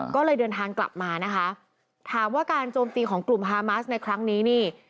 ก็เลยเดินทางกลับมานะคะถามว่าการโจมตีของกลุ่มฮามาสในครั้งนี้นี่